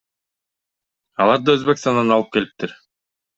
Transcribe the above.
Аларды Өзбекстандан алып келиптир.